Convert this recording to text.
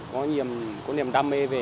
có niềm đam mê về